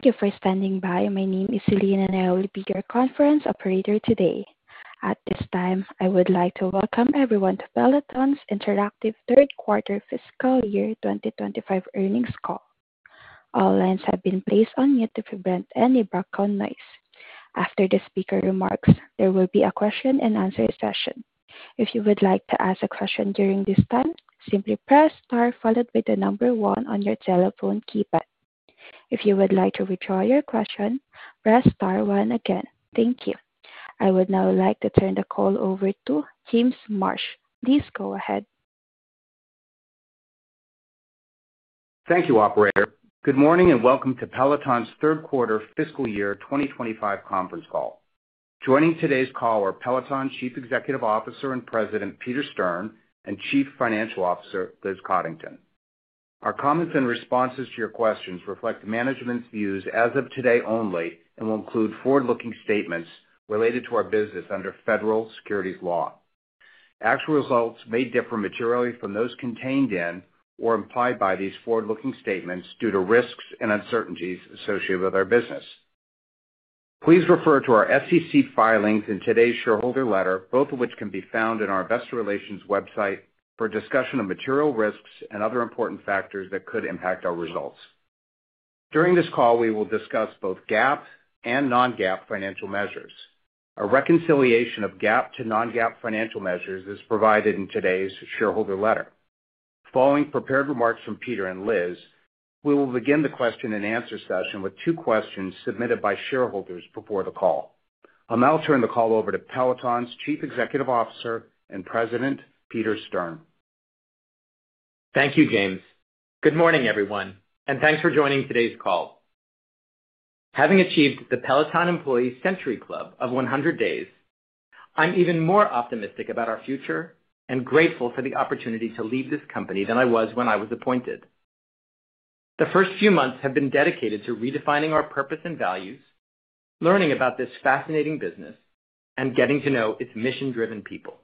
Thank you for standing by. My name is Celina, and I will be your conference operator today. At this time, I would like to welcome everyone to Peloton Interactive's Third Quarter Fiscal Year 2025 earnings call. All lines have been placed on mute to prevent any background noise. After the speaker remarks, there will be a question-and-answer session. If you would like to ask a question during this time, simply press star followed by the number one on your telephone keypad. If you would like to withdraw your question, press star one again. Thank you. I would now like to turn the call over to James Marsh. Please go ahead. Thank you, Operator. Good morning and welcome to Peloton's Third Quarter Fiscal Year 2025 conference call. Joining today's call are Peloton Chief Executive Officer and President Peter Stern and Chief Financial Officer Liz Coddington. Our comments and responses to your questions reflect management's views as of today only and will include forward-looking statements related to our business under federal securities law. Actual results may differ materially from those contained in or implied by these forward-looking statements due to risks and uncertainties associated with our business. Please refer to our SEC filings and today's shareholder letter, both of which can be found in our Investor Relations website for discussion of material risks and other important factors that could impact our results. During this call, we will discuss both GAAP and non-GAAP financial measures. A reconciliation of GAAP to non-GAAP financial measures is provided in today's shareholder letter. Following prepared remarks from Peter and Liz, we will begin the question-and-answer session with two questions submitted by shareholders before the call. I'll now turn the call over to Peloton's Chief Executive Officer and President Peter Stern. Thank you, James. Good morning, everyone, and thanks for joining today's call. Having achieved the Peloton Employee Century Club of 100 days, I'm even more optimistic about our future and grateful for the opportunity to lead this company than I was when I was appointed. The first few months have been dedicated to redefining our purpose and values, learning about this fascinating business, and getting to know its mission-driven people.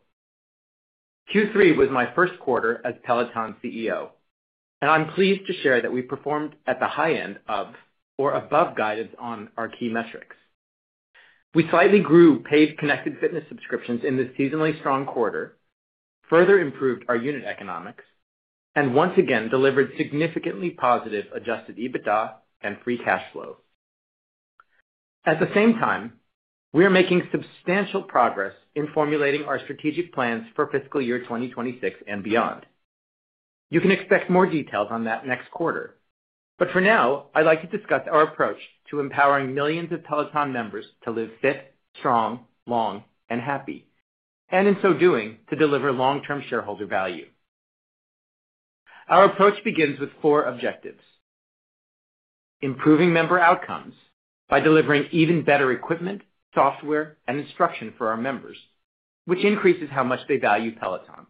Q3 was my first quarter as Peloton CEO, and I'm pleased to share that we performed at the high end of or above guidance on our key metrics. We slightly grew paid connected fitness subscriptions in this seasonally strong quarter, further improved our unit economics, and once again delivered significantly positive adjusted EBITDA and free cash flow. At the same time, we are making substantial progress in formulating our strategic plans for fiscal year 2026 and beyond. You can expect more details on that next quarter, but for now, I'd like to discuss our approach to empowering millions of Peloton members to live fit, strong, long, and happy, and in so doing, to deliver long-term shareholder value. Our approach begins with four objectives: improving member outcomes by delivering even better equipment, software, and instruction for our members, which increases how much they value Peloton;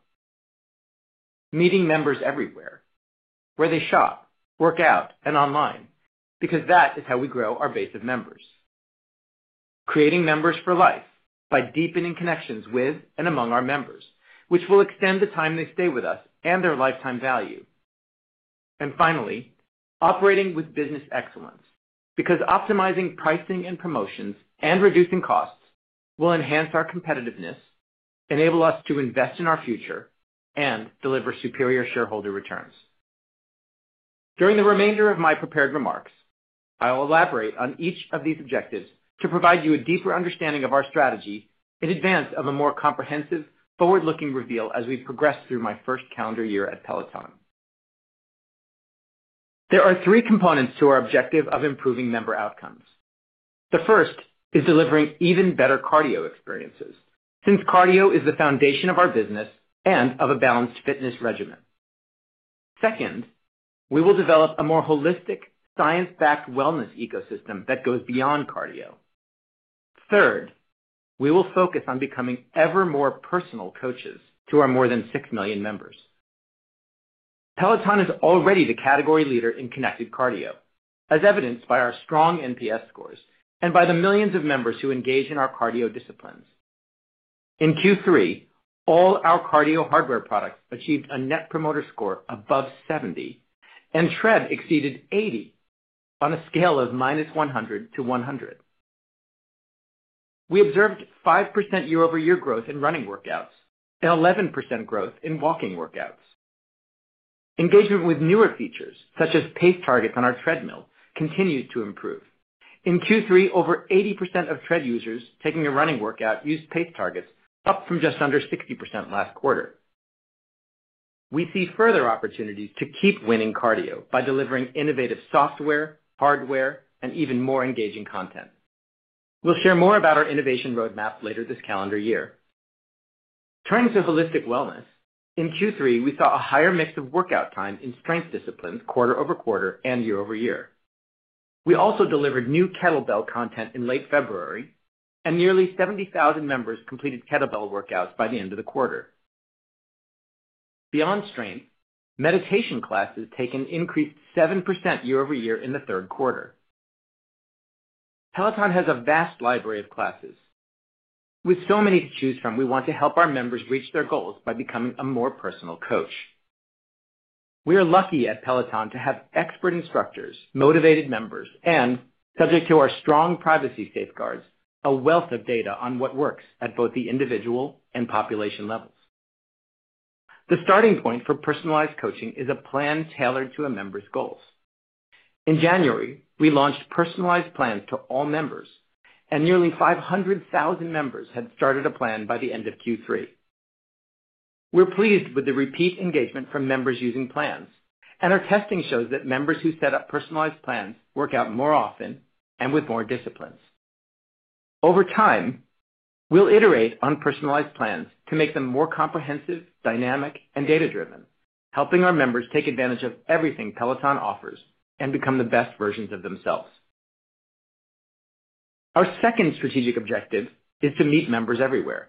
meeting members everywhere, where they shop, work out, and online, because that is how we grow our base of members; creating members for life by deepening connections with and among our members, which will extend the time they stay with us and their lifetime value; and finally, operating with business excellence, because optimizing pricing and promotions and reducing costs will enhance our competitiveness, enable us to invest in our future, and deliver superior shareholder returns. During the remainder of my prepared remarks, I'll elaborate on each of these objectives to provide you a deeper understanding of our strategy in advance of a more comprehensive, forward-looking reveal as we progress through my first calendar year at Peloton. There are three components to our objective of improving member outcomes. The first is delivering even better cardio experiences, since cardio is the foundation of our business and of a balanced fitness regimen. Second, we will develop a more holistic, science-backed wellness ecosystem that goes beyond cardio. Third, we will focus on becoming ever more personal coaches to our more than 6 million members. Peloton is already the category leader in connected cardio, as evidenced by our strong NPS scores and by the millions of members who engage in our cardio disciplines. In Q3, all our cardio hardware products achieved a net promoter score above 70, and Tread exceeded 80 on a scale of minus 100 to 100. We observed 5% year-over-year growth in running workouts and 11% growth in walking workouts. Engagement with newer features, such as pace targets on our treadmill, continues to improve. In Q3, over 80% of Tread users taking a running workout used pace targets, up from just under 60% last quarter. We see further opportunities to keep winning cardio by delivering innovative software, hardware, and even more engaging content. We'll share more about our innovation roadmap later this calendar year. Turning to holistic wellness, in Q3, we saw a higher mix of workout time in strength disciplines quarter-over-quarter and year-over-year. We also delivered new kettlebell content in late February, and nearly 70,000 members completed kettlebell workouts by the end of the quarter. Beyond strength, meditation classes taken increased 7% year-over-year in the third quarter. Peloton has a vast library of classes. With so many to choose from, we want to help our members reach their goals by becoming a more personal coach. We are lucky at Peloton to have expert instructors, motivated members, and, subject to our strong privacy safeguards, a wealth of data on what works at both the individual and population levels. The starting point for personalized coaching is a plan tailored to a member's goals. In January, we launched personalized plans to all members, and nearly 500,000 members had started a plan by the end of Q3. We're pleased with the repeat engagement from members using plans, and our testing shows that members who set up personalized plans work out more often and with more disciplines. Over time, we'll iterate on personalized plans to make them more comprehensive, dynamic, and data-driven, helping our members take advantage of everything Peloton offers and become the best versions of themselves. Our second strategic objective is to meet members everywhere.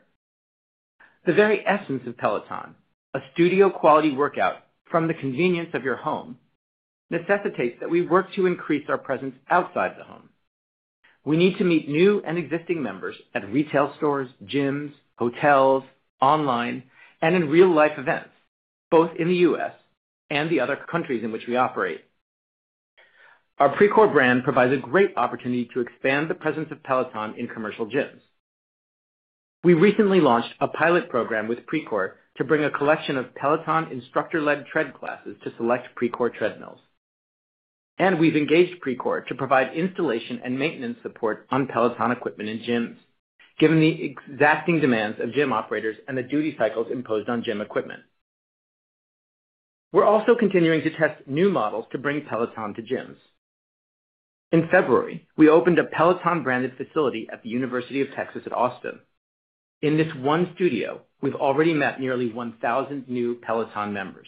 The very essence of Peloton, a studio-quality workout from the convenience of your home, necessitates that we work to increase our presence outside the home. We need to meet new and existing members at retail stores, gyms, hotels, online, and in real-life events, both in the U.S. and the other countries in which we operate. Our Precor brand provides a great opportunity to expand the presence of Peloton in commercial gyms. We recently launched a pilot program with Precor to bring a collection of Peloton instructor-led Tread classes to select Precor treadmills. We have engaged Precor to provide installation and maintenance support on Peloton equipment in gyms, given the exacting demands of gym operators and the duty cycles imposed on gym equipment. We are also continuing to test new models to bring Peloton to gyms. In February, we opened a Peloton-branded facility at the University of Texas at Austin. In this one studio, we have already met nearly 1,000 new Peloton members.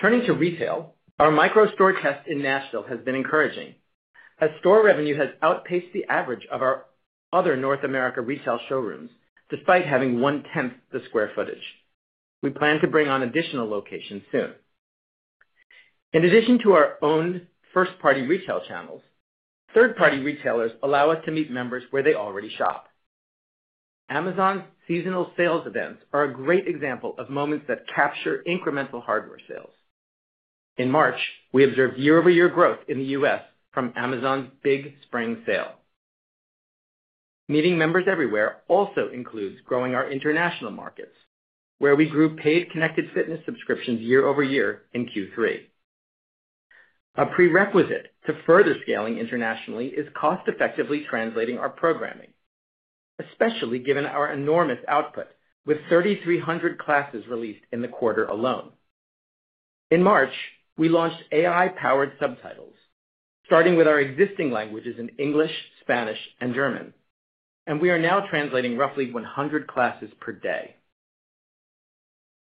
Turning to retail, our micro-store test in Nashville has been encouraging, as store revenue has outpaced the average of our other North America retail showrooms, despite having one-tenth the square footage. We plan to bring on additional locations soon. In addition to our own first-party retail channels, third-party retailers allow us to meet members where they already shop. Amazon's seasonal sales events are a great example of moments that capture incremental hardware sales. In March, we observed year-over-year growth in the U.S. From Amazon's big spring sale. Meeting members everywhere also includes growing our international markets, where we grew paid connected fitness subscriptions year-over-year in Q3. A prerequisite to further scaling internationally is cost-effectively translating our programming, especially given our enormous output with 3,300 classes released in the quarter alone. In March, we launched AI-powered subtitles, starting with our existing languages in English, Spanish, and German, and we are now translating roughly 100 classes per day.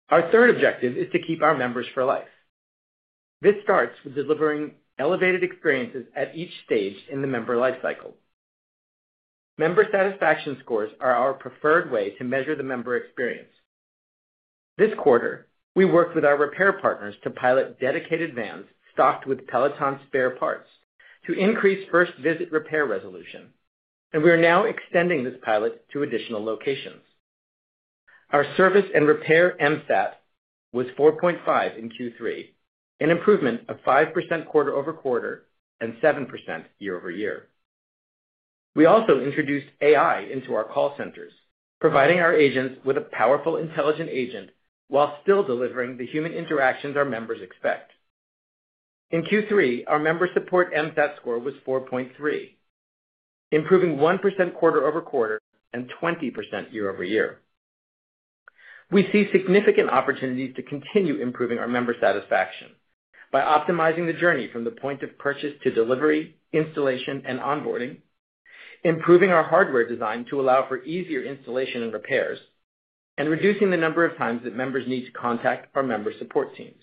Our third objective is to keep our members for life. This starts with delivering elevated experiences at each stage in the member lifecycle. Member satisfaction scores are our preferred way to measure the member experience. This quarter, we worked with our repair partners to pilot dedicated vans stocked with Peloton spare parts to increase first-visit repair resolution, and we are now extending this pilot to additional locations. Our service and repair MSAT was 4.5 in Q3, an improvement of 5% quarter-over-quarter and 7% year-over-year. We also introduced AI into our call centers, providing our agents with a powerful intelligent agent while still delivering the human interactions our members expect. In Q3, our member support MSAT score was 4.3, improving 1% quarter-over-quarter and 20% year-over-year. We see significant opportunities to continue improving our member satisfaction by optimizing the journey from the point of purchase to delivery, installation, and onboarding, improving our hardware design to allow for easier installation and repairs, and reducing the number of times that members need to contact our member support teams.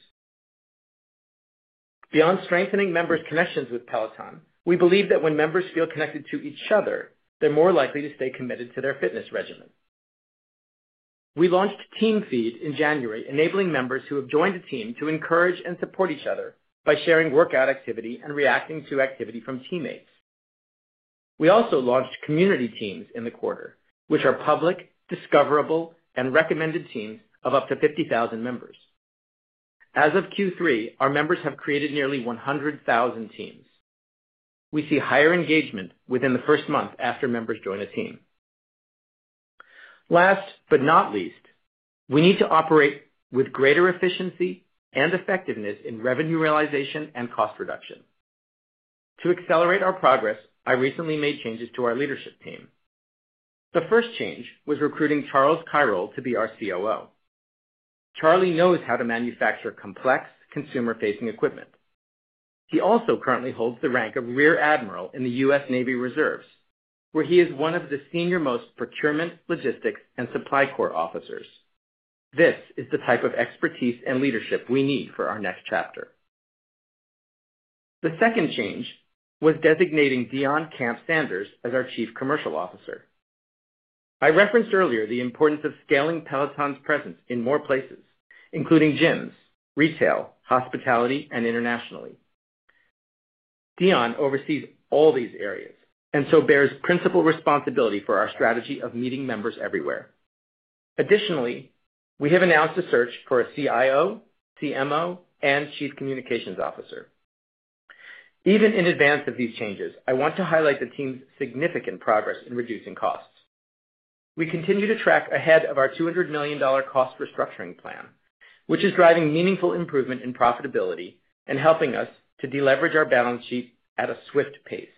Beyond strengthening members' connections with Peloton, we believe that when members feel connected to each other, they're more likely to stay committed to their fitness regimen. We launched Team Feed in January, enabling members who have joined a team to encourage and support each other by sharing workout activity and reacting to activity from teammates. We also launched Community Teams in the quarter, which are public, discoverable, and recommended teams of up to 50,000 members. As of Q3, our members have created nearly 100,000 teams. We see higher engagement within the first month after members join a team. Last but not least, we need to operate with greater efficiency and effectiveness in revenue realization and cost reduction. To accelerate our progress, I recently made changes to our leadership team. The first change was recruiting Charles Kirol to be our COO. Charlie knows how to manufacture complex, consumer-facing equipment. He also currently holds the rank of Rear Admiral in the U.S. Navy Reserves, where he is one of the senior-most procurement, logistics, and supply core officers. This is the type of expertise and leadership we need for our next chapter. The second change was designating Deon Camp Sanders as our Chief Commercial Officer. I referenced earlier the importance of scaling Peloton's presence in more places, including gyms, retail, hospitality, and internationally. Deon oversees all these areas and so bears principal responsibility for our strategy of meeting members everywhere. Additionally, we have announced a search for a CIO, CMO, and Chief Communications Officer. Even in advance of these changes, I want to highlight the team's significant progress in reducing costs. We continue to track ahead of our $200 million cost restructuring plan, which is driving meaningful improvement in profitability and helping us to deleverage our balance sheet at a swift pace.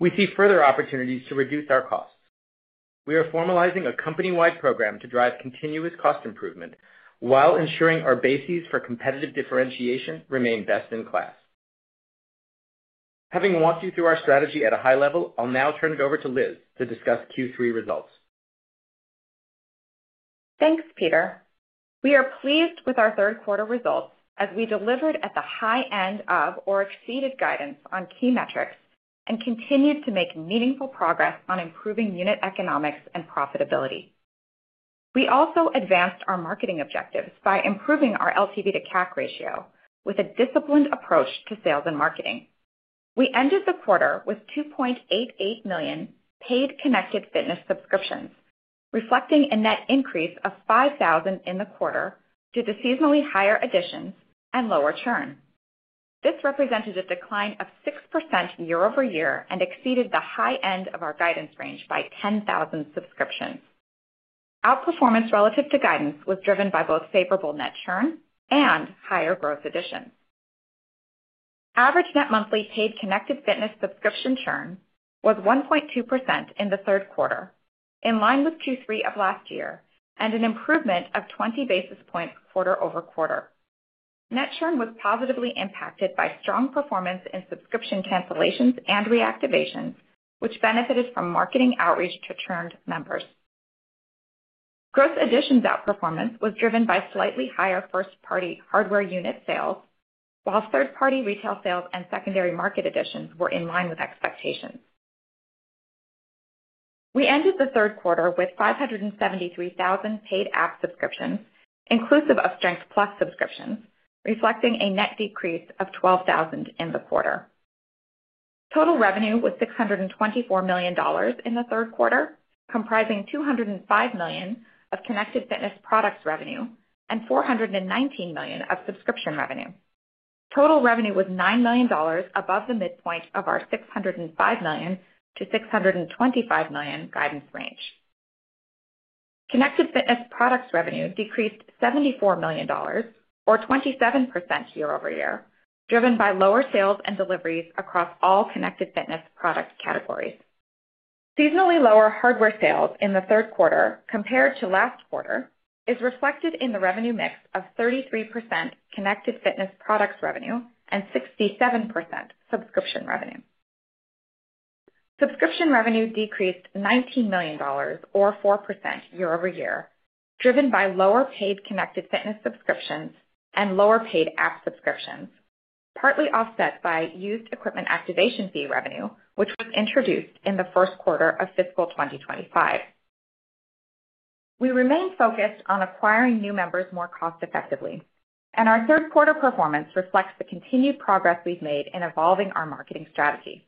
We see further opportunities to reduce our costs. We are formalizing a company-wide program to drive continuous cost improvement while ensuring our bases for competitive differentiation remain best in class. Having walked you through our strategy at a high level, I'll now turn it over to Liz to discuss Q3 results. Thanks, Peter. We are pleased with our third quarter results as we delivered at the high end of or exceeded guidance on key metrics and continued to make meaningful progress on improving unit economics and profitability. We also advanced our marketing objectives by improving our LTV to CAC ratio with a disciplined approach to sales and marketing. We ended the quarter with 2.88 million paid connected fitness subscriptions, reflecting a net increase of 5,000 in the quarter due to seasonally higher additions and lower churn. This represented a decline of 6% year-over-year and exceeded the high end of our guidance range by 10,000 subscriptions. Outperformance relative to guidance was driven by both favorable net churn and higher growth additions. Average net monthly paid connected fitness subscription churn was 1.2% in the third quarter, in line with Q3 of last year and an improvement of 20 basis points quarter-over-quarter. Net churn was positively impacted by strong performance in subscription cancellations and reactivations, which benefited from marketing outreach to churned members. Gross additions outperformance was driven by slightly higher first-party hardware unit sales, while third-party retail sales and secondary market additions were in line with expectations. We ended the third quarter with 573,000 paid app subscriptions, inclusive of Strength+ subscriptions, reflecting a net decrease of 12,000 in the quarter. Total revenue was $624 million in the third quarter, comprising $205 million of connected fitness products revenue and $419 million of subscription revenue. Total revenue was $9 million above the midpoint of our $605 million-$625 million guidance range. Connected fitness products revenue decreased $74 million, or 27% year-over-year, driven by lower sales and deliveries across all connected fitness product categories. Seasonally lower hardware sales in the third quarter, compared to last quarter, is reflected in the revenue mix of 33% connected fitness products revenue and 67% subscription revenue. Subscription revenue decreased $19 million, or 4% year-over-year, driven by lower paid connected fitness subscriptions and lower paid app subscriptions, partly offset by used equipment activation fee revenue, which was introduced in the first quarter of fiscal 2025. We remain focused on acquiring new members more cost-effectively, and our third quarter performance reflects the continued progress we've made in evolving our marketing strategy.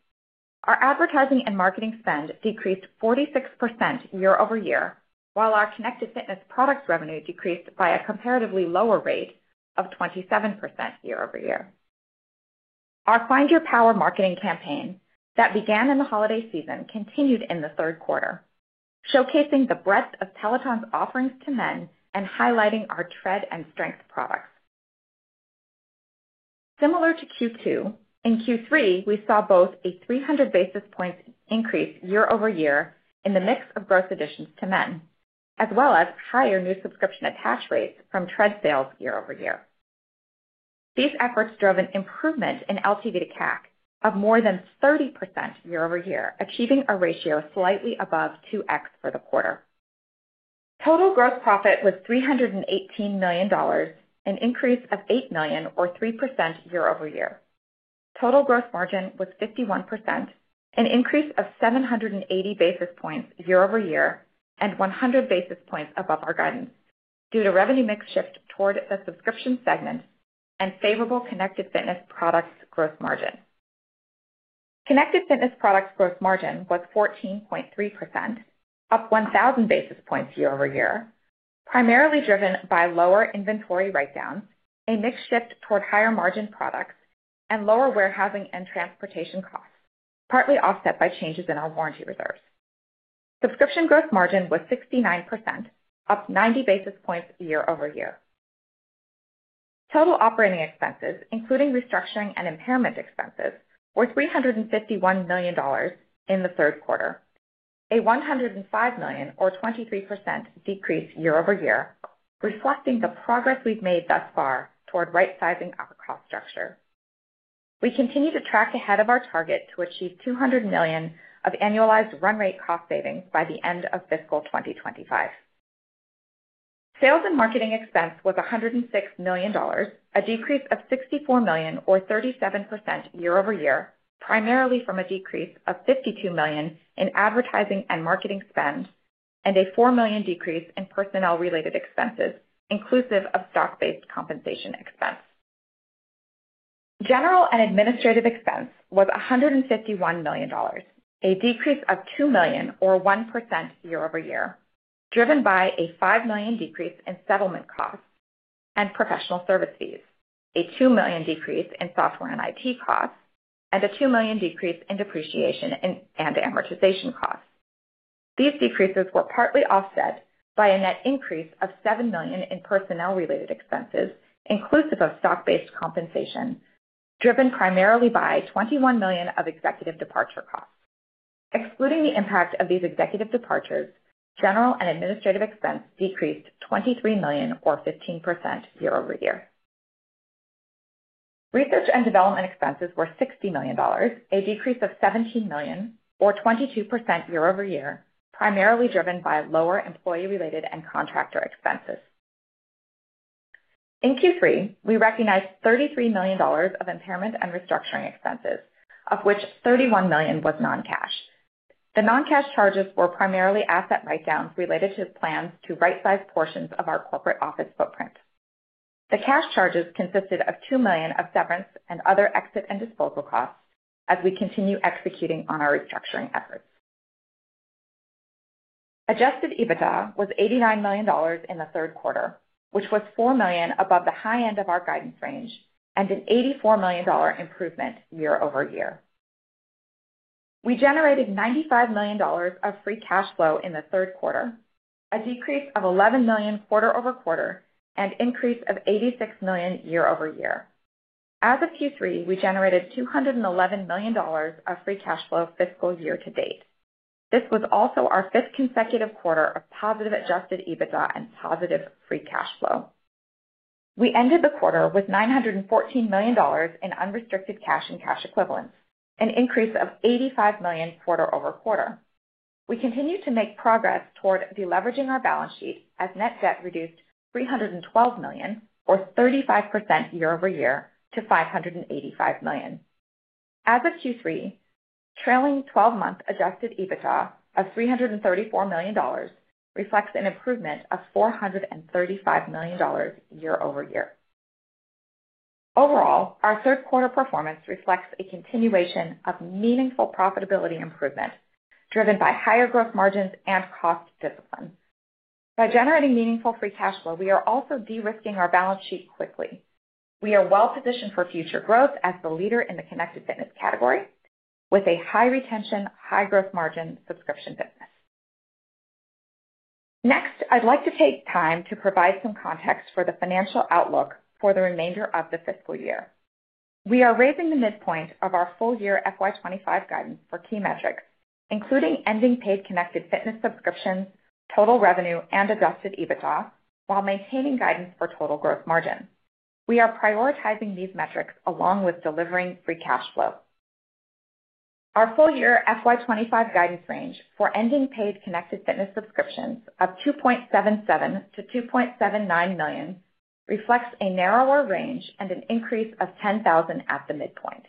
Our advertising and marketing spend decreased 46% year-over-year, while our connected fitness products revenue decreased by a comparatively lower rate of 27% year-over-year. Our Find Your Power marketing campaign that began in the holiday season continued in the third quarter, showcasing the breadth of Peloton's offerings to men and highlighting our Tread and Strength products. Similar to Q2, in Q3, we saw both a 300 basis points increase year-over-year in the mix of gross additions to men, as well as higher new subscription attach rates from Tread sales year-over-year. These efforts drove an improvement in LTV to CAC of more than 30% year-over-year, achieving a ratio slightly above 2x for the quarter. Total gross profit was $318 million, an increase of $8 million, or 3% year-over-year. Total gross margin was 51%, an increase of 780 basis points year-over-year and 100 basis points above our guidance due to revenue mix shift toward the subscription segment and favorable connected fitness products gross margin. Connected fitness products gross margin was 14.3%, up 1,000 basis points year-over-year, primarily driven by lower inventory write-downs, a mix shift toward higher margin products, and lower warehousing and transportation costs, partly offset by changes in our warranty reserves. Subscription gross margin was 69%, up 90 basis points year-over-year. Total operating expenses, including restructuring and impairment expenses, were $351 million in the third quarter, a $105 million, or 23% decrease year-over-year, reflecting the progress we've made thus far toward right-sizing our cost structure. We continue to track ahead of our target to achieve $200 million of annualized run rate cost savings by the end of fiscal 2025. Sales and marketing expense was $106 million, a decrease of $64 million, or 37% year-over-year, primarily from a decrease of $52 million in advertising and marketing spend and a $4 million decrease in personnel-related expenses, inclusive of stock-based compensation expense. General and administrative expense was $151 million, a decrease of $2 million, or 1% year-over-year, driven by a $5 million decrease in settlement costs and professional service fees, a $2 million decrease in software and IT costs, and a $2 million decrease in depreciation and amortization costs. These decreases were partly offset by a net increase of $7 million in personnel-related expenses, inclusive of stock-based compensation, driven primarily by $21 million of executive departure costs. Excluding the impact of these executive departures, general and administrative expense decreased $23 million, or 15% year-over-year. Research and development expenses were $60 million, a decrease of $17 million, or 22% year-over-year, primarily driven by lower employee-related and contractor expenses. In Q3, we recognized $33 million of impairment and restructuring expenses, of which $31 million was non-cash. The non-cash charges were primarily asset write-downs related to plans to right-size portions of our corporate office footprint. The cash charges consisted of $2 million of severance and other exit and disposal costs as we continue executing on our restructuring efforts. Adjusted EBITDA was $89 million in the third quarter, which was $4 million above the high end of our guidance range and an $84 million improvement year-over-year. We generated $95 million of free cash flow in the third quarter, a decrease of $11 million quarter-over-quarter, and an increase of $86 million year-over-year. As of Q3, we generated $211 million of free cash flow fiscal year to date. This was also our fifth consecutive quarter of positive adjusted EBITDA and positive free cash flow. We ended the quarter with $914 million in unrestricted cash and cash equivalents, an increase of $85 million quarter-over-quarter. We continue to make progress toward deleveraging our balance sheet as net debt reduced $312 million, or 35% year-over-year, to $585 million. As of Q3, trailing 12-month adjusted EBITDA of $334 million reflects an improvement of $435 million year-over-year. Overall, our third quarter performance reflects a continuation of meaningful profitability improvement driven by higher gross margins and cost discipline. By generating meaningful free cash flow, we are also de-risking our balance sheet quickly. We are well-positioned for future growth as the leader in the connected fitness category with a high retention, high gross margin subscription business. Next, I'd like to take time to provide some context for the financial outlook for the remainder of the fiscal year. We are raising the midpoint of our full-year FY 2025 guidance for key metrics, including ending paid connected fitness subscriptions, total revenue, and adjusted EBITDA, while maintaining guidance for total gross margin. We are prioritizing these metrics along with delivering free cash flow. Our full-year FY 2025 guidance range for ending paid connected fitness subscriptions of 2.77-2.79 million reflects a narrower range and an increase of 10,000 at the midpoint.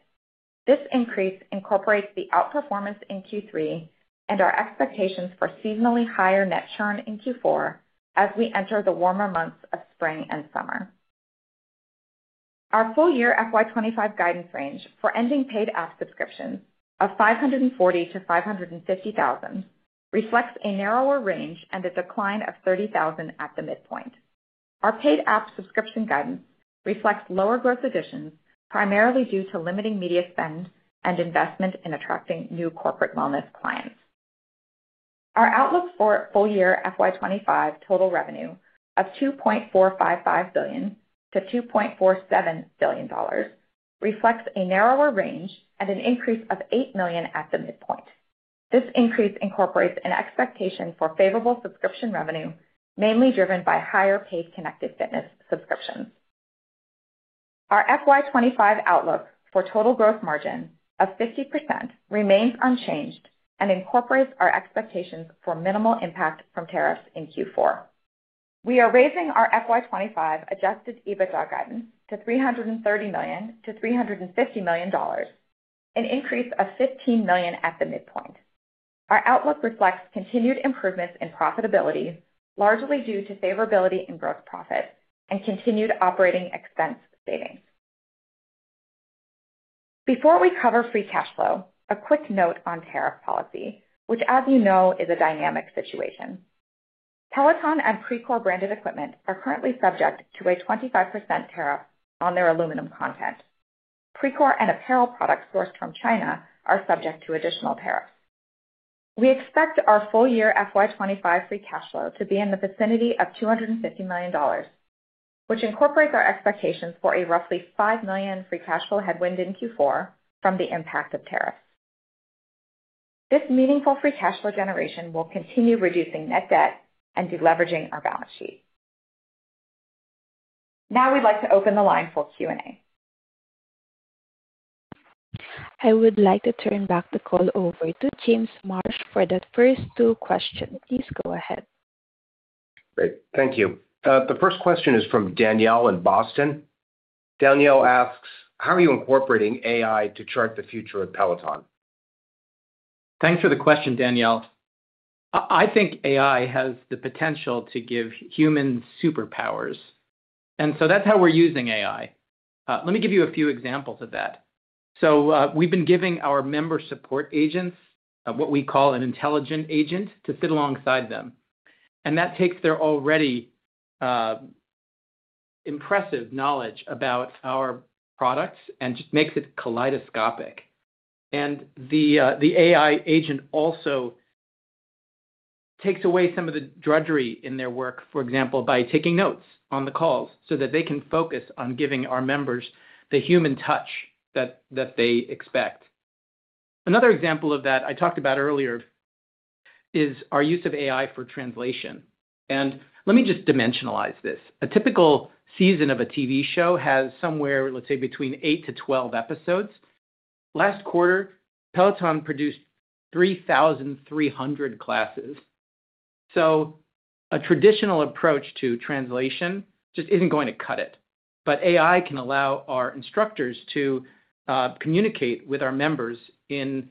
This increase incorporates the outperformance in Q3 and our expectations for seasonally higher net churn in Q4 as we enter the warmer months of spring and summer. Our full-year FY 2025 guidance range for ending paid app subscriptions of 540,000-550,000 reflects a narrower range and a decline of 30,000 at the midpoint. Our paid app subscription guidance reflects lower gross additions, primarily due to limiting media spend and investment in attracting new corporate wellness clients. Our outlook for full-year FY 2025 total revenue of $2.455 billion-$2.47 billion reflects a narrower range and an increase of $8 million at the midpoint. This increase incorporates an expectation for favorable subscription revenue, mainly driven by higher paid connected fitness subscriptions. Our FY 2025 outlook for total gross margin of 50% remains unchanged and incorporates our expectations for minimal impact from tariffs in Q4. We are raising our FY 2025 adjusted EBITDA guidance to $330 million-$350 million, an increase of $15 million at the midpoint. Our outlook reflects continued improvements in profitability, largely due to favorability in gross profit and continued operating expense savings. Before we cover free cash flow, a quick note on tariff policy, which, as you know, is a dynamic situation. Peloton and Precor branded equipment are currently subject to a 25% tariff on their aluminum content. Precor and apparel products sourced from China are subject to additional tariffs. We expect our full-year FY 2025 free cash flow to be in the vicinity of $250 million, which incorporates our expectations for a roughly $5 million free cash flow headwind in Q4 from the impact of tariffs. This meaningful free cash flow generation will continue reducing net debt and deleveraging our balance sheet. Now we'd like to open the line for Q&A. I would like to turn back the call over to James Marsh for the first two questions. Please go ahead. Great. Thank you. The first question is from Danielle in Boston. Danielle asks, "How are you incorporating AI to chart the future of Peloton?" Thanks for the question, Danielle. I think AI has the potential to give humans superpowers. That is how we are using AI. Let me give you a few examples of that. We have been giving our member support agents what we call an intelligent agent to sit alongside them. That takes their already impressive knowledge about our products and just makes it kaleidoscopic. The AI agent also takes away some of the drudgery in their work, for example, by taking notes on the calls so that they can focus on giving our members the human touch that they expect. Another example of that I talked about earlier is our use of AI for translation. Let me just dimensionalize this. A typical season of a TV show has somewhere, let's say, between eight to 12 episodes. Last quarter, Peloton produced 3,300 classes. A traditional approach to translation just isn't going to cut it. AI can allow our instructors to communicate with our members in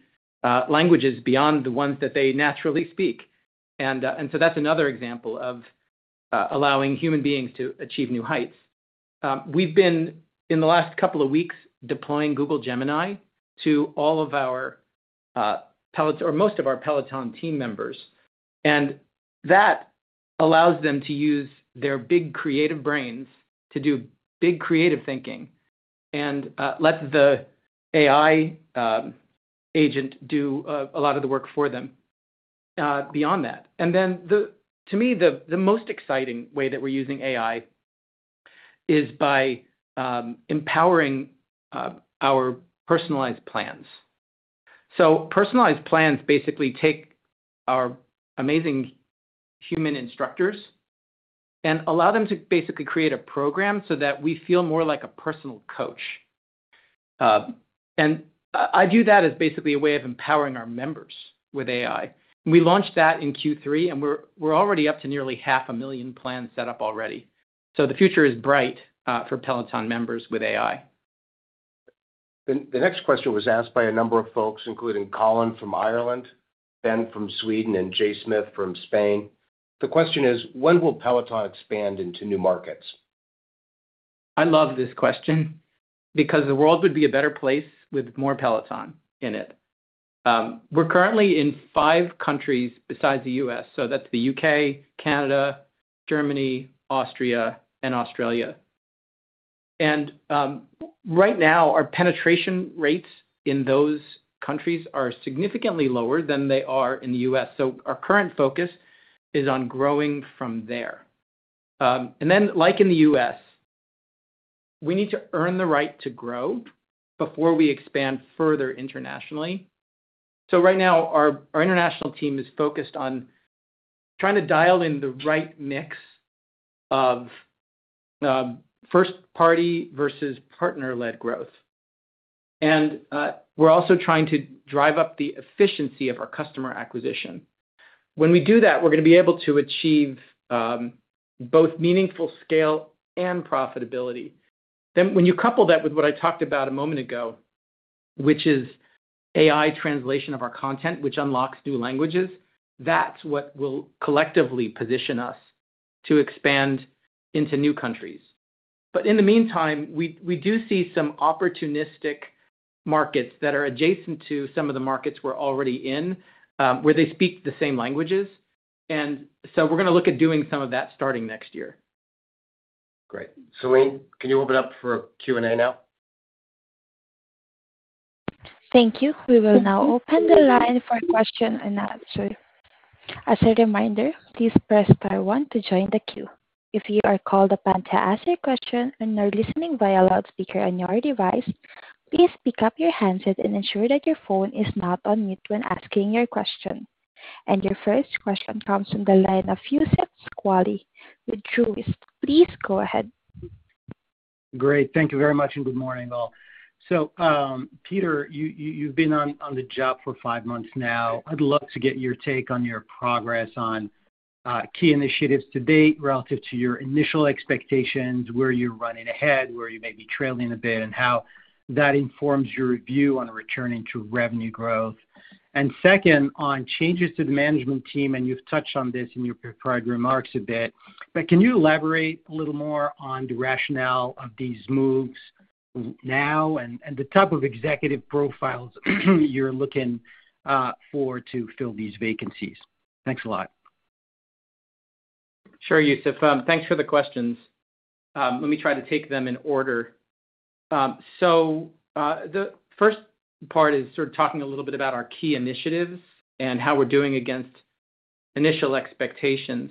languages beyond the ones that they naturally speak. That is another example of allowing human beings to achieve new heights. We've been, in the last couple of weeks, deploying Google Gemini to all of our or most of our Peloton team members. That allows them to use their big creative brains to do big creative thinking and lets the AI agent do a lot of the work for them beyond that. To me, the most exciting way that we're using AI is by empowering our personalized plans. Personalized plans basically take our amazing human instructors and allow them to basically create a program so that we feel more like a personal coach. I view that as basically a way of empowering our members with AI. We launched that in Q3, and we're already up to nearly 500,000 plans set up already. The future is bright for Peloton members with AI. The next question was asked by a number of folks, including Colin from Ireland, Ben from Sweden, and Jay Smith from Spain. The question is, "When will Peloton expand into new markets?" I love this question because the world would be a better place with more Peloton in it. We're currently in five countries besides the U.S. That's the U.K., Canada, Germany, Austria, and Australia. Right now, our penetration rates in those countries are significantly lower than they are in the U.S. Our current focus is on growing from there. Like in the U.S., we need to earn the right to grow before we expand further internationally. Right now, our international team is focused on trying to dial in the right mix of first-party versus partner-led growth. We're also trying to drive up the efficiency of our customer acquisition. When we do that, we're going to be able to achieve both meaningful scale and profitability. When you couple that with what I talked about a moment ago, which is AI translation of our content, which unlocks new languages, that's what will collectively position us to expand into new countries. In the meantime, we do see some opportunistic markets that are adjacent to some of the markets we're already in, where they speak the same languages. We are going to look at doing some of that starting next year. Great. Celine, can you open it up for Q&A now? Thank you. We will now open the line for question and answer. As a reminder, please press star one to join the queue. If you are called upon to ask a question and are listening via loudspeaker on your device, please pick up your handset and ensure that your phone is not on mute when asking your question. Your first question comes from the line of Youssef Squali with Truist. Please go ahead. Great. Thank you very much, and good morning, all. Peter, you've been on the job for five months now. I'd love to get your take on your progress on key initiatives to date relative to your initial expectations, where you're running ahead, where you may be trailing a bit, and how that informs your view on returning to revenue growth. Second, on changes to the management team, and you've touched on this in your prepared remarks a bit, but can you elaborate a little more on the rationale of these moves now and the type of executive profiles you're looking for to fill these vacancies? Thanks a lot. Sure, Youssef. Thanks for the questions. Let me try to take them in order. The first part is sort of talking a little bit about our key initiatives and how we're doing against initial expectations.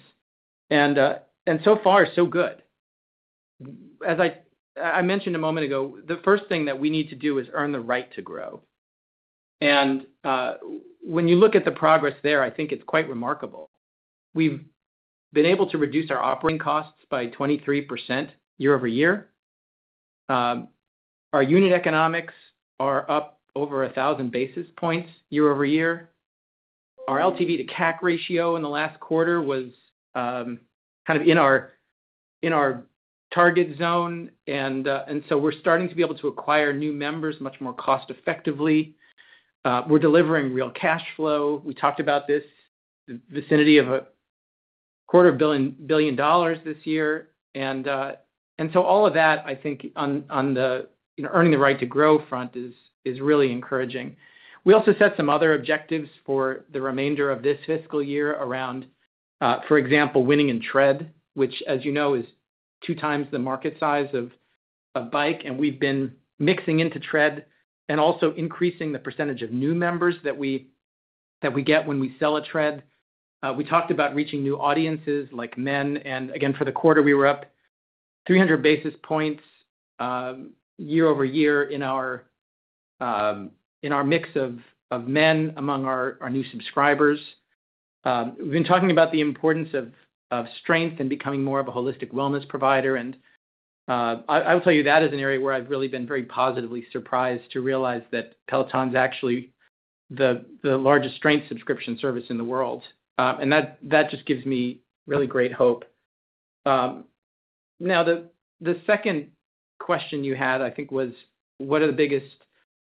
So far, so good. As I mentioned a moment ago, the first thing that we need to do is earn the right to grow. When you look at the progress there, I think it's quite remarkable. We've been able to reduce our operating costs by 23% year-over-year. Our unit economics are up over 1,000 basis points year-over-year. Our LTV to CAC ratio in the last quarter was kind of in our target zone. We're starting to be able to acquire new members much more cost-effectively. We're delivering real cash flow. We talked about this vicinity of a quarter billion dollars this year. All of that, I think, on the earning the right to grow front is really encouraging. We also set some other objectives for the remainder of this fiscal year around, for example, winning in Tread, which, as you know, is two times the market size of Bike. We have been mixing into Tread and also increasing the percentage of new members that we get when we sell a Tread. We talked about reaching new audiences like men. For the quarter, we were up 300 basis points year-over-year in our mix of men among our new subscribers. We have been talking about the importance of strength and becoming more of a holistic wellness provider. I will tell you that is an area where I have really been very positively surprised to realize that Peloton is actually the largest strength subscription service in the world. That just gives me really great hope. Now, the second question you had, I think, was, "What are the biggest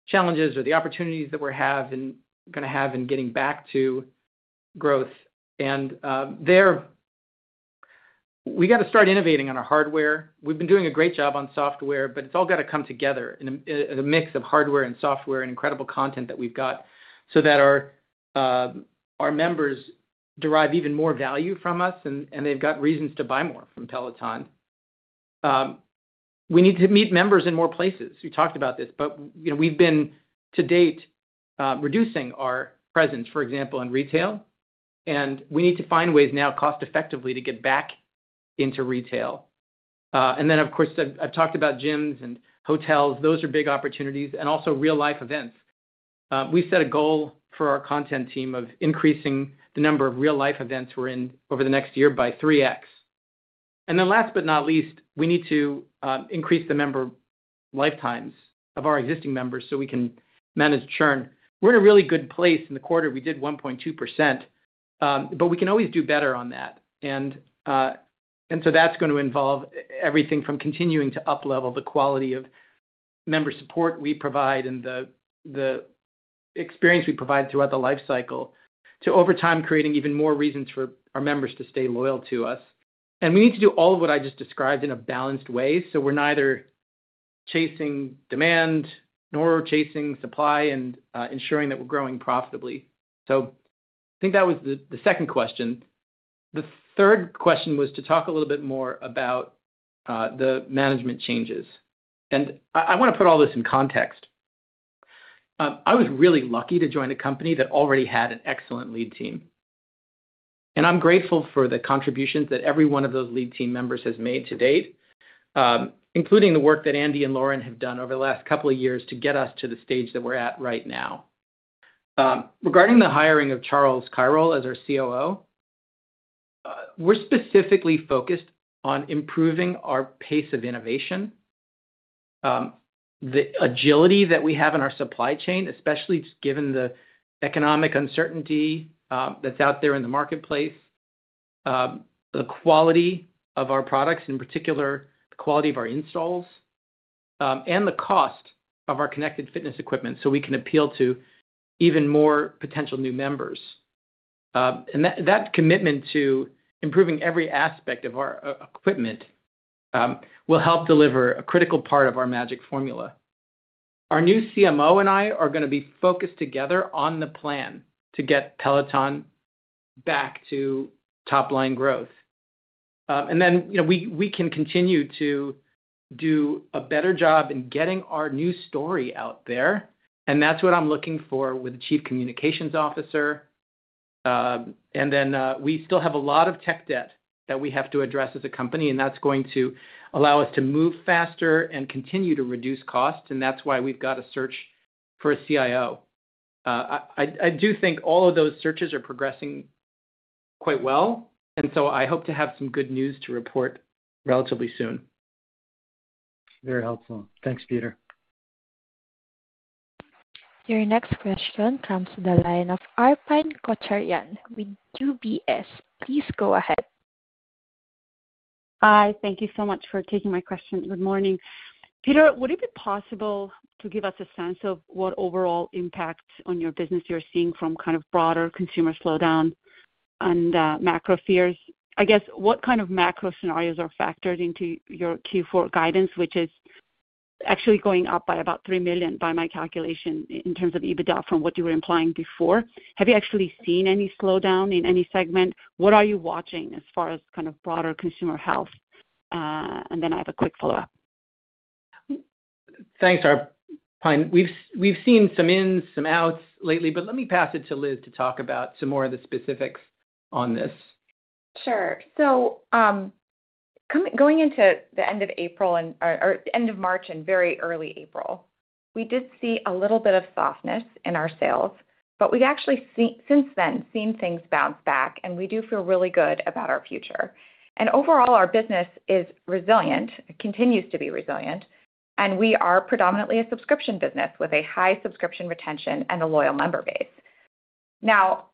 challenges or the opportunities that we're going to have in getting back to growth?" There, we got to start innovating on our hardware. We've been doing a great job on software, but it's all got to come together in a mix of hardware and software and incredible content that we've got so that our members derive even more value from us, and they've got reasons to buy more from Peloton. We need to meet members in more places. We talked about this, but we've been, to date, reducing our presence, for example, in retail. We need to find ways now cost-effectively to get back into retail. Of course, I've talked about gyms and hotels. Those are big opportunities. Also real-life events. We've set a goal for our content team of increasing the number of real-life events we're in over the next year by 3x. Last but not least, we need to increase the member lifetimes of our existing members so we can manage churn. We're in a really good place in the quarter. We did 1.2%. We can always do better on that. That's going to involve everything from continuing to uplevel the quality of member support we provide and the experience we provide throughout the life cycle to over time creating even more reasons for our members to stay loyal to us. We need to do all of what I just described in a balanced way so we're neither chasing demand nor chasing supply and ensuring that we're growing profitably. I think that was the second question. The third question was to talk a little bit more about the management changes. I want to put all this in context. I was really lucky to join a company that already had an excellent lead team. I'm grateful for the contributions that every one of those lead team members has made to date, including the work that Andy and Lauren have done over the last couple of years to get us to the stage that we're at right now. Regarding the hiring of Charles Kirol as our COO, we're specifically focused on improving our pace of innovation, the agility that we have in our supply chain, especially given the economic uncertainty that's out there in the marketplace, the quality of our products, in particular, the quality of our installs, and the cost of our connected fitness equipment so we can appeal to even more potential new members. That commitment to improving every aspect of our equipment will help deliver a critical part of our magic formula. Our new CMO and I are going to be focused together on the plan to get Peloton back to top-line growth. Then we can continue to do a better job in getting our new story out there. That is what I'm looking for with the Chief Communications Officer. We still have a lot of tech debt that we have to address as a company, and that is going to allow us to move faster and continue to reduce costs. That is why we've got a search for a CIO. I do think all of those searches are progressing quite well. I hope to have some good news to report relatively soon. Very helpful. Thanks, Peter. Your next question comes from the line of Arpine Kocharian with UBS. Please go ahead. Hi. Thank you so much for taking my question. Good morning. Peter, would it be possible to give us a sense of what overall impact on your business you're seeing from kind of broader consumer slowdown and macro fears? I guess, what kind of macro scenarios are factored into your Q4 guidance, which is actually going up by about $3 million by my calculation in terms of EBITDA from what you were implying before? Have you actually seen any slowdown in any segment? What are you watching as far as kind of broader consumer health? I have a quick follow-up. Thanks, Arpine. We've seen some ins, some outs lately, but let me pass it to Liz to talk about some more of the specifics on this. Sure. Going into the end of April and or end of March and very early April, we did see a little bit of softness in our sales. We have actually since then seen things bounce back, and we do feel really good about our future. Overall, our business is resilient, continues to be resilient, and we are predominantly a subscription business with a high subscription retention and a loyal member base. Now,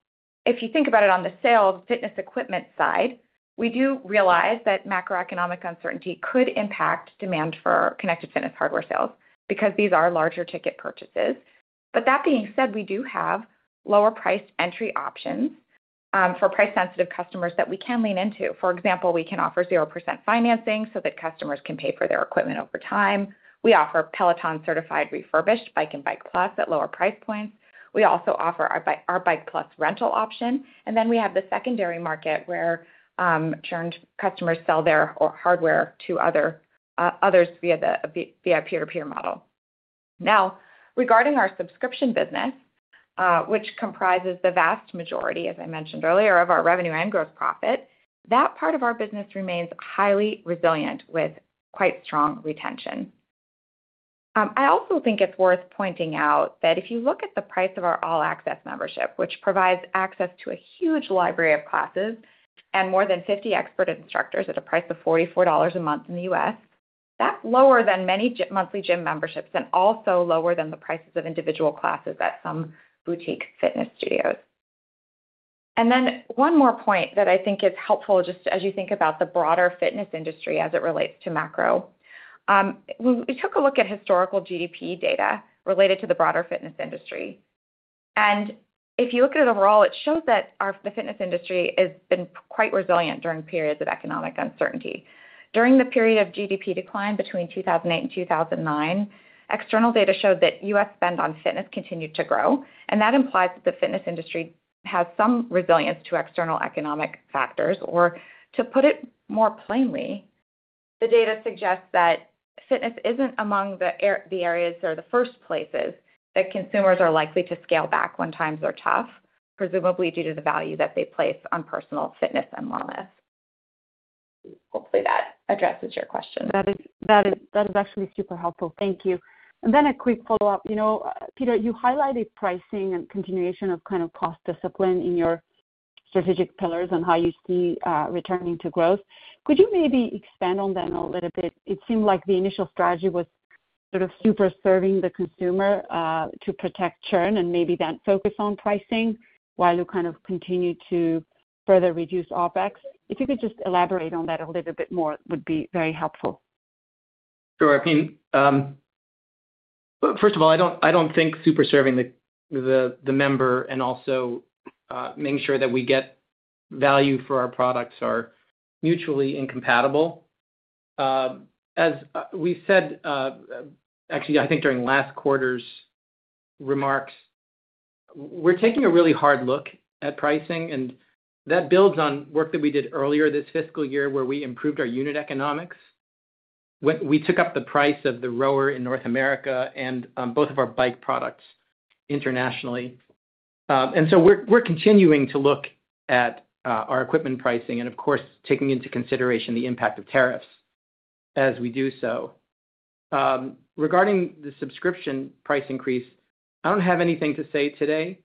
if you think about it on the sales fitness equipment side, we do realize that macroeconomic uncertainty could impact demand for connected fitness hardware sales because these are larger ticket purchases. That being said, we do have lower-priced entry options for price-sensitive customers that we can lean into. For example, we can offer 0% financing so that customers can pay for their equipment over time. We offer Peloton-certified refurbished Bike and Bike+ at lower price points. We also offer our Bike+ rental option. We have the secondary market where churned customers sell their hardware to others via a peer-to-peer model. Now, regarding our subscription business, which comprises the vast majority, as I mentioned earlier, of our revenue and gross profit, that part of our business remains highly resilient with quite strong retention. I also think it's worth pointing out that if you look at the price of our All Access membership, which provides access to a huge library of classes and more than 50 expert instructors at a price of $44 a month in the U.S., that's lower than many monthly gym memberships and also lower than the prices of individual classes at some boutique fitness studios. One more point that I think is helpful just as you think about the broader fitness industry as it relates to macro. We took a look at historical GDP data related to the broader fitness industry. If you look at it overall, it shows that the fitness industry has been quite resilient during periods of economic uncertainty. During the period of GDP decline between 2008 and 2009, external data showed that US spend on fitness continued to grow. That implies that the fitness industry has some resilience to external economic factors. To put it more plainly, the data suggests that fitness is not among the areas or the first places that consumers are likely to scale back when times are tough, presumably due to the value that they place on personal fitness and wellness. Hopefully, that addresses your question. That is actually super helpful. Thank you. And then a quick follow-up. Peter, you highlighted pricing and continuation of kind of cost discipline in your strategic pillars and how you see returning to growth. Could you maybe expand on that a little bit? It seemed like the initial strategy was sort of super serving the consumer to protect churn and maybe then focus on pricing while you kind of continue to further reduce OpEx. If you could just elaborate on that a little bit more, it would be very helpful. Sure. I mean, first of all, I don't think super serving the member and also making sure that we get value for our products are mutually incompatible. As we said, actually, I think during last quarter's remarks, we're taking a really hard look at pricing. And that builds on work that we did earlier this fiscal year where we improved our unit economics. We took up the price of the Rower in North America and both of our Bike products internationally. We are continuing to look at our equipment pricing and, of course, taking into consideration the impact of tariffs as we do so. Regarding the subscription price increase, I do not have anything to say today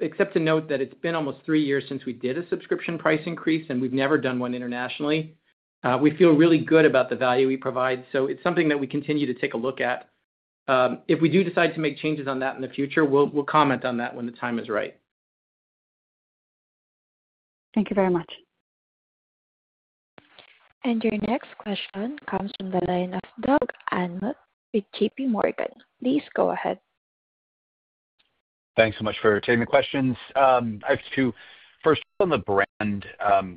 except to note that it has been almost three years since we did a subscription price increase, and we have never done one internationally. We feel really good about the value we provide. It is something that we continue to take a look at. If we do decide to make changes on that in the future, we will comment on that when the time is right. Thank you very much. Your next question comes from the line of Doug Anmuth with JPMorgan. Please go ahead. Thanks so much for taking the questions. I have to first on the brand.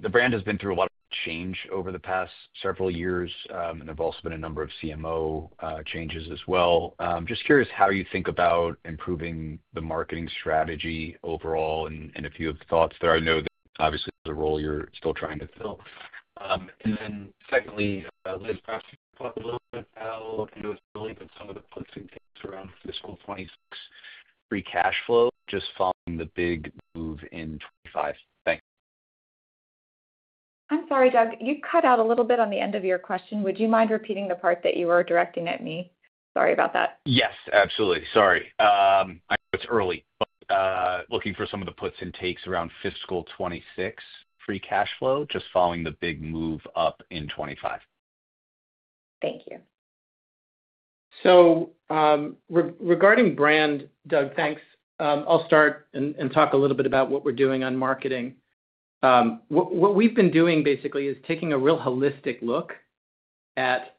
The brand has been through a lot of change over the past several years, and there've also been a number of CMO changes as well. I'm just curious how you think about improving the marketing strategy overall and a few of the thoughts that I know that obviously is a role you're still trying to fill. Secondly, Liz, perhaps you can talk a little bit about and those relief and some of the policy things around fiscal 2026 free cash flow just following the big move in 2025. Thanks. I'm sorry, Doug. You cut out a little bit on the end of your question. Would you mind repeating the part that you were directing at me? Sorry about that. Yes, absolutely. Sorry. I know it's early, but looking for some of the puts and takes around fiscal 2026 free cash flow just following the big move up in 2025. Thank you. Regarding brand, Doug, thanks. I'll start and talk a little bit about what we're doing on marketing. What we've been doing basically is taking a real holistic look at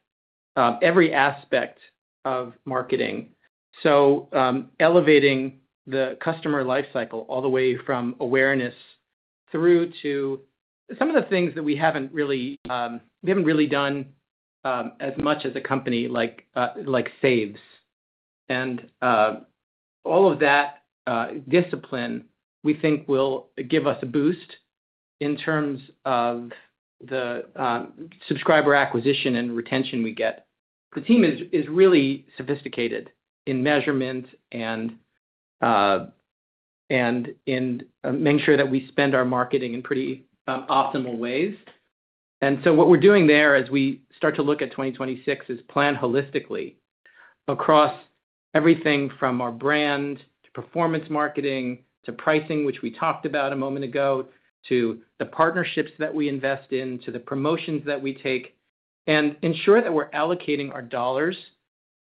every aspect of marketing. Elevating the customer lifecycle all the way from awareness through to some of the things that we haven't really done as much as a company like Saves. All of that discipline, we think, will give us a boost in terms of the subscriber acquisition and retention we get. The team is really sophisticated in measurement and in making sure that we spend our marketing in pretty optimal ways. What we're doing there as we start to look at 2026 is plan holistically across everything from our brand to performance marketing to pricing, which we talked about a moment ago, to the partnerships that we invest in, to the promotions that we take, and ensure that we're allocating our dollars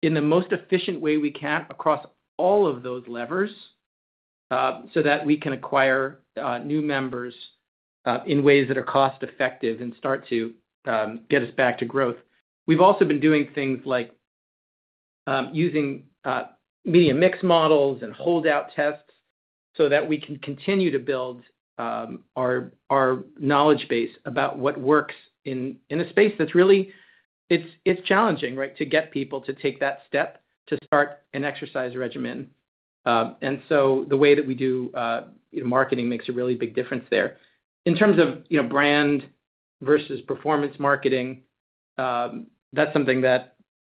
in the most efficient way we can across all of those levers so that we can acquire new members in ways that are cost-effective and start to get us back to growth. We've also been doing things like using medium mix models and holdout tests so that we can continue to build our knowledge base about what works in a space that's really, it's challenging, right, to get people to take that step to start an exercise regimen. The way that we do marketing makes a really big difference there. In terms of brand versus performance marketing, that's something that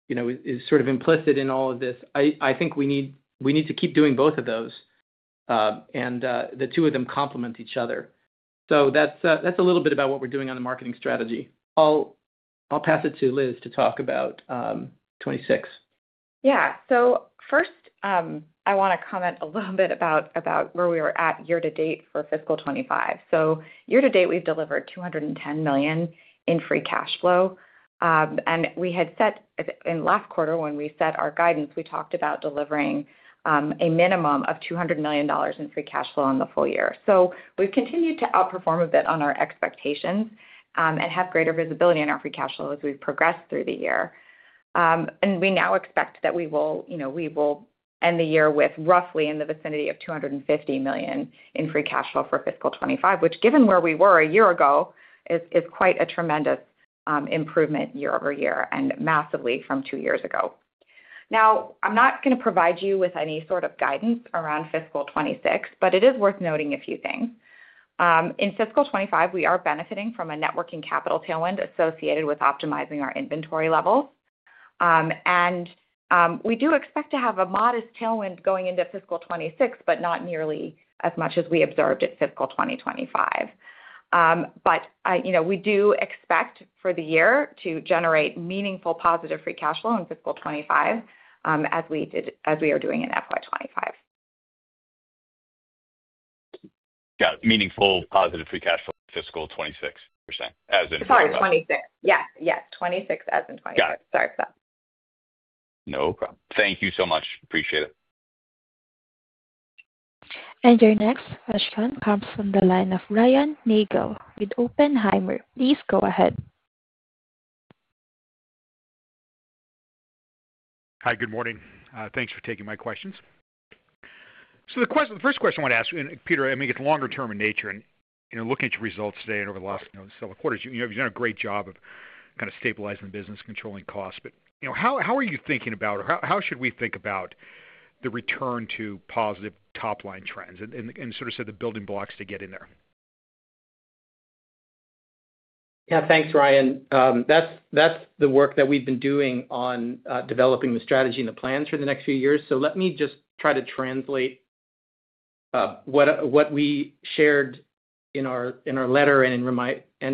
is sort of implicit in all of this. I think we need to keep doing both of those, and the two of them complement each other. That's a little bit about what we're doing on the marketing strategy. I'll pass it to Liz to talk about 2026. Yeah. First, I want to comment a little bit about where we were at year-to-date for fiscal 2025. Year-to-date, we've delivered $210 million in free cash flow. We had set in last quarter when we set our guidance, we talked about delivering a minimum of $200 million in free cash flow on the full year. We've continued to outperform a bit on our expectations and have greater visibility on our free cash flow as we've progressed through the year. We now expect that we will end the year with roughly in the vicinity of $250 million in free cash flow for fiscal 2025, which, given where we were a year ago, is quite a tremendous improvement year-over-year and massively from two years ago. I'm not going to provide you with any sort of guidance around fiscal 2026, but it is worth noting a few things. In fiscal 2025, we are benefiting from a networking capital tailwind associated with optimizing our inventory levels. We do expect to have a modest tailwind going into fiscal 2026, but not nearly as much as we observed in fiscal 2025. We do expect for the year to generate meaningful positive free cash flow in fiscal 2025 as we are doing in FY 2025. Got it. Meaningful positive free cash flow in fiscal 2026, you're saying, as in fiscal 2025? Sorry, 2026. Yes, yes. 2026 as in 2026. Sorry about that. No problem. Thank you so much. Appreciate it. Your next question comes from the line of [Ryan] Nagel with Oppenheimer. Please go ahead. Hi, good morning. Thanks for taking my questions. The first question I want to ask you, Peter, I mean, it's longer-term in nature. Looking at your results today and over the last several quarters, you've done a great job of kind of stabilizing the business, controlling costs. How are you thinking about or how should we think about the return to positive top-line trends and sort of set the building blocks to get in there? Yeah. Thanks, [Ryan]. That's the work that we've been doing on developing the strategy and the plans for the next few years. Let me just try to translate what we shared in our letter and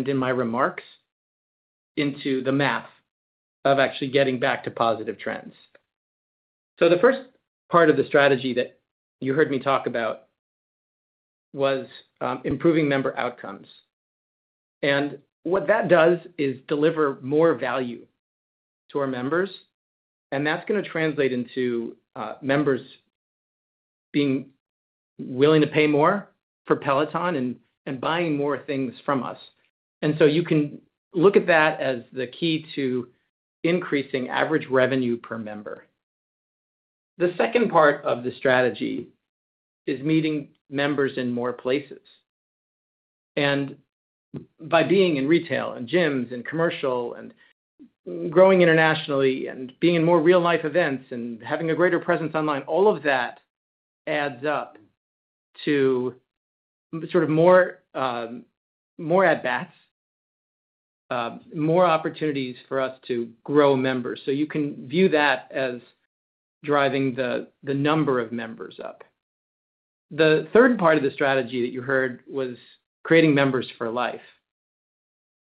in my remarks into the math of actually getting back to positive trends. The first part of the strategy that you heard me talk about was improving member outcomes. What that does is deliver more value to our members. That's going to translate into members being willing to pay more for Peloton and buying more things from us. You can look at that as the key to increasing average revenue per member. The second part of the strategy is meeting members in more places. By being in retail and gyms and commercial and growing internationally and being in more real-life events and having a greater presence online, all of that adds up to sort of more at-bats, more opportunities for us to grow members. You can view that as driving the number of members up. The third part of the strategy that you heard was creating members for life.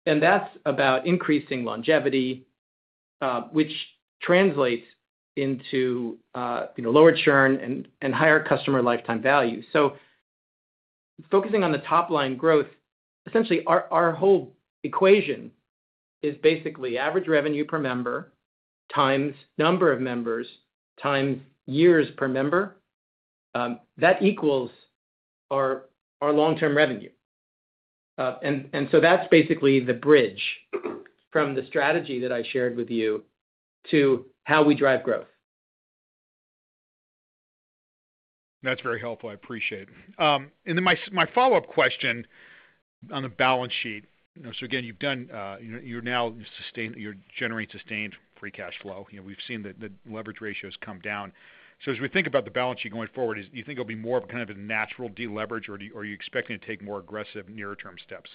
That is about increasing longevity, which translates into lower churn and higher customer lifetime value. Focusing on the top-line growth, essentially, our whole equation is basically average revenue per member times number of members times years per member. That equals our long-term revenue. That is basically the bridge from the strategy that I shared with you to how we drive growth. That is very helpful. I appreciate it. My follow-up question on the balance sheet. You have done, you are now generating sustained free cash flow. We have seen the leverage ratios come down. As we think about the balance sheet going forward, do you think it'll be more of kind of a natural deleverage, or are you expecting to take more aggressive nearer-term steps?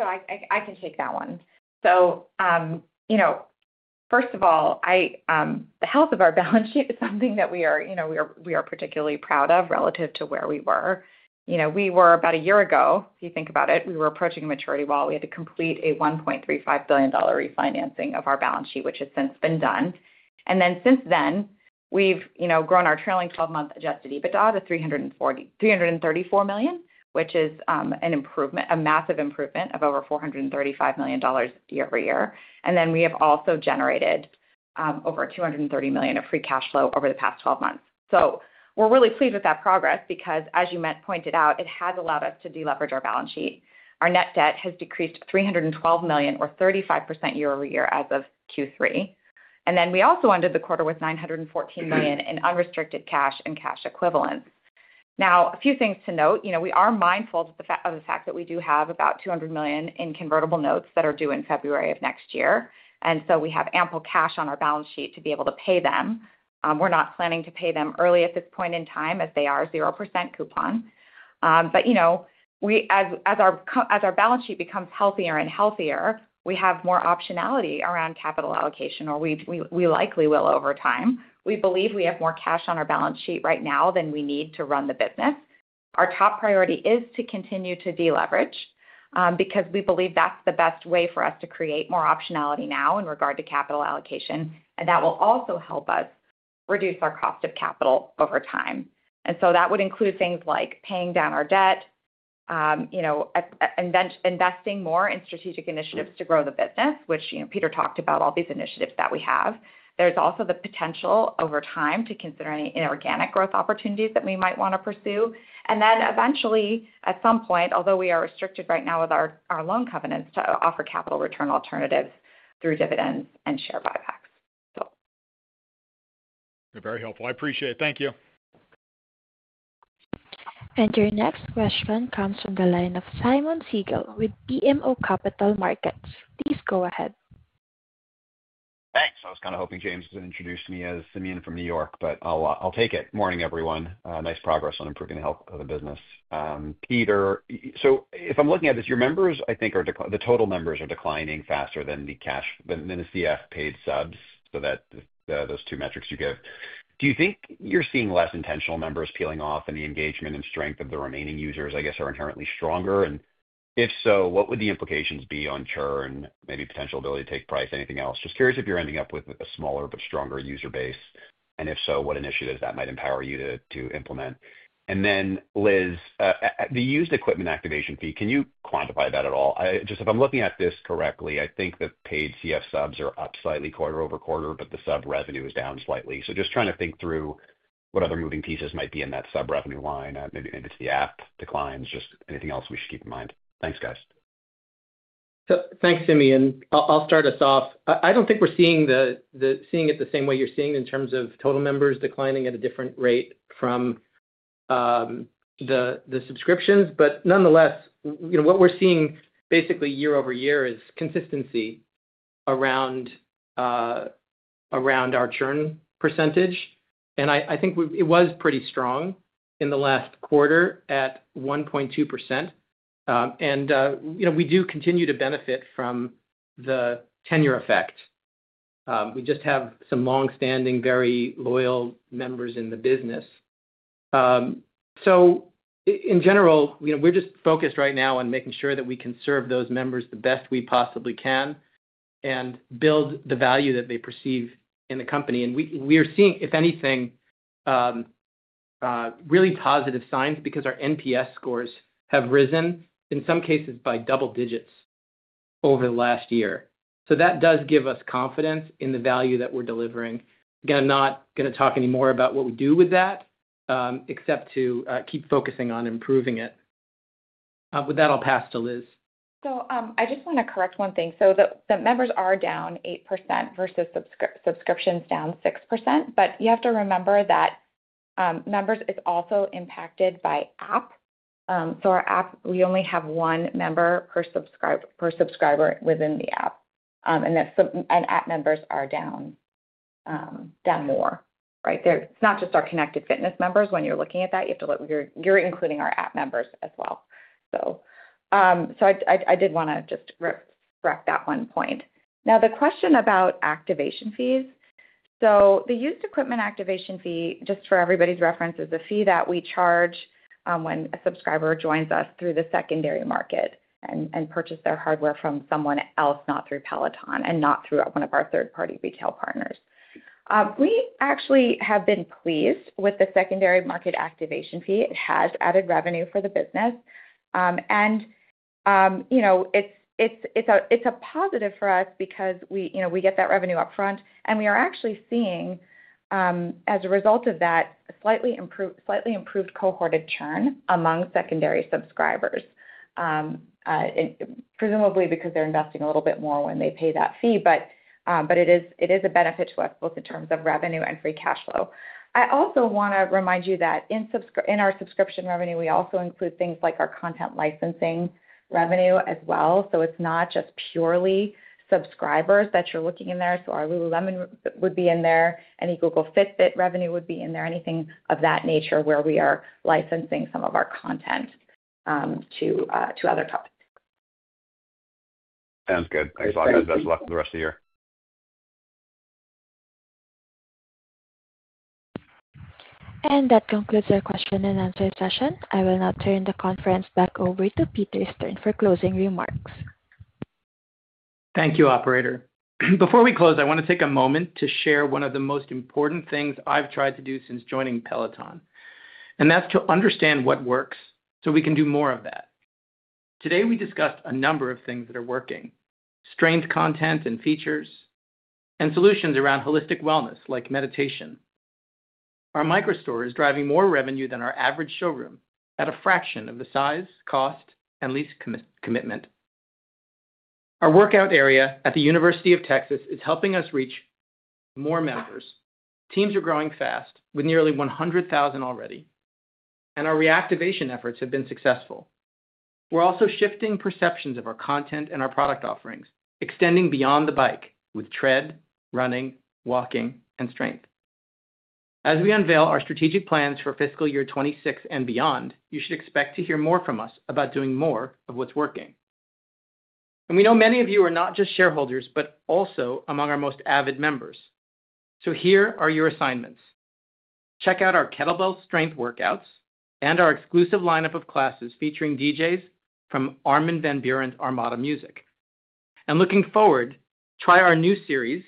I can take that one. First of all, the health of our balance sheet is something that we are particularly proud of relative to where we were. About a year ago, if you think about it, we were approaching a maturity wall. We had to complete a $1.35 billion refinancing of our balance sheet, which has since been done. Since then, we've grown our trailing 12-month adjusted EBITDA to $334 million, which is a massive improvement of over $435 million year-over-year. We have also generated over $230 million of free cash flow over the past 12 months. We're really pleased with that progress because, as you pointed out, it has allowed us to deleverage our balance sheet. Our net debt has decreased to $312 million, or 35% year-over-year as of Q3. We also ended the quarter with $914 million in unrestricted cash and cash equivalents. Now, a few things to note. We are mindful of the fact that we do have about $200 million in convertible notes that are due in February of next year. We have ample cash on our balance sheet to be able to pay them. We're not planning to pay them early at this point in time as they are 0% coupon. As our balance sheet becomes healthier and healthier, we have more optionality around capital allocation, or we likely will over time. We believe we have more cash on our balance sheet right now than we need to run the business. Our top priority is to continue to deleverage because we believe that's the best way for us to create more optionality now in regard to capital allocation. That will also help us reduce our cost of capital over time. That would include things like paying down our debt, investing more in strategic initiatives to grow the business, which Peter talked about, all these initiatives that we have. There's also the potential over time to consider any inorganic growth opportunities that we might want to pursue. Eventually, at some point, although we are restricted right now with our loan covenants to offer capital return alternatives through dividends and share buybacks. Very helpful. I appreciate it. Thank you. Thanks. I was kind of hoping James was going to introduce me as Simeon from New York, but I'll take it. Morning, everyone. Nice progress on improving the health of the business. Peter, if I'm looking at this, your members, I think, are the total members are declining faster than the CF paid subs, so those two metrics you give. Do you think you're seeing less intentional members peeling off, and the engagement and strength of the remaining users, I guess, are inherently stronger? If so, what would the implications be on churn, maybe potential ability to take price, anything else? Just curious if you're ending up with a smaller but stronger user base. If so, what initiatives that might empower you to implement? Liz, the used equipment activation fee, can you quantify that at all? Just if I'm looking at this correctly, I think the paid CF subs are up slightly quarter-over-quarter, but the sub revenue is down slightly. Just trying to think through what other moving pieces might be in that sub revenue line. Maybe it's the app declines. Just anything else we should keep in mind? Thanks, guys. Thanks, Simeon. I'll start us off. I don't think we're seeing it the same way you're seeing in terms of total members declining at a different rate from the subscriptions. Nonetheless, what we're seeing basically year-over-year is consistency around our churn percentage. I think it was pretty strong in the last quarter at 1.2%. We do continue to benefit from the tenure effect. We just have some long-standing, very loyal members in the business. In general, we're just focused right now on making sure that we can serve those members the best we possibly can and build the value that they perceive in the company. We are seeing, if anything, really positive signs because our NPS scores have risen, in some cases, by double digits over the last year. That does give us confidence in the value that we're delivering. I'm not going to talk anymore about what we do with that except to keep focusing on improving it. With that, I'll pass to Liz. I just want to correct one thing. The members are down 8% versus subscriptions down 6%. You have to remember that members are also impacted by app. Our app, we only have one member per subscriber within the app. App members are down more, right? It's not just our connected fitness members. When you're looking at that, you're including our app members as well. I did want to just correct that one point. Now, the question about activation fees. The used equipment activation fee, just for everybody's reference, is a fee that we charge when a subscriber joins us through the secondary market and purchases their hardware from someone else, not through Peloton and not through one of our third-party retail partners. We actually have been pleased with the secondary market activation fee. It has added revenue for the business. It's a positive for us because we get that revenue upfront. We are actually seeing, as a result of that, a slightly improved cohorted churn among secondary subscribers, presumably because they're investing a little bit more when they pay that fee. It is a benefit to us both in terms of revenue and free cash flow. I also want to remind you that in our subscription revenue, we also include things like our content licensing revenue as well. It is not just purely subscribers that you are looking in there. Lululemon would be in there. Any Google Fitbit revenue would be in there, anything of that nature where we are licensing some of our content to other topics. Sounds good. Thanks a lot. Best of luck with the rest of the year. That concludes our question and answer session. I will now turn the conference back over to Peter Stern for closing remarks. Thank you, Operator. Before we close, I want to take a moment to share one of the most important things I have tried to do since joining Peloton. That is to understand what works so we can do more of that. Today, we discussed a number of things that are working: strength content and features, and solutions around holistic wellness like meditation. Our microstore is driving more revenue than our average showroom at a fraction of the size, cost, and lease commitment. Our workout area at the University of Texas is helping us reach more members. Teams are growing fast with nearly 100,000 already. Our reactivation efforts have been successful. We are also shifting perceptions of our content and our product offerings, extending beyond the Bike with Tread, running, walking, and strength. As we unveil our strategic plans for fiscal year 2026 and beyond, you should expect to hear more from us about doing more of what is working. We know many of you are not just shareholders, but also among our most avid members. So here are your assignments. Check out our Kettlebell Strength Workouts and our exclusive lineup of classes featuring DJs from Armin van Buuren's Armada Music. Looking forward, try our new series,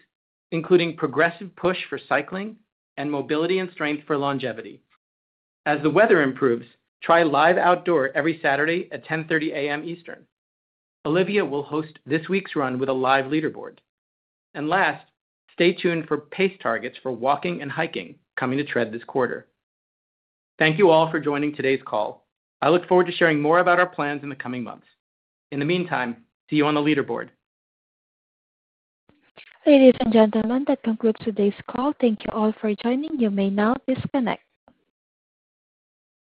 including Progressive Push for Cycling and Mobility and Strength for Longevity. As the weather improves, try Live Outdoor every Saturday at 10:30 A.M. Eastern. Olivia will host this week's run with a live leaderboard. Last, stay tuned for pace targets for walking and hiking coming to Tread this quarter. Thank you all for joining today's call. I look forward to sharing more about our plans in the coming months. In the meantime, see you on the leaderboard. Ladies and gentlemen, that concludes today's call. Thank you all for joining. You may now disconnect.